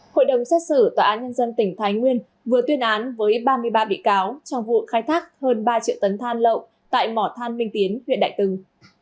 hội đồng xét xử tòa án nhân dân tỉnh thái nguyên vừa tuyên án với ba mươi ba bị cáo trong vụ khai thác hơn ba triệu tấn than lậu tại mỏ than minh tiến huyện đại từng